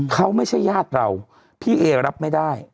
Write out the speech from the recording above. เขาไม่ใช่ญาติเราพี่เอรับไม่ได้